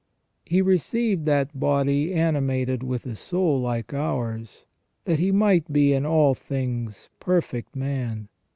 He received that body animated with a soul like ours, that He might be in all things perfect man.